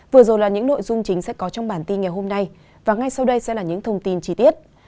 vừa rồi là những nội dung chính sẽ có trong bản tin ngày hôm nay và ngay sau đây sẽ là những thông tin chi tiết